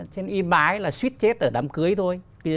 trên yên bái là suýt chết ở đám cưới thôi